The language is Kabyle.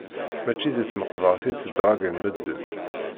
Mačči deg tmeqbert i ttedṛagin medden.